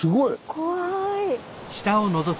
怖い。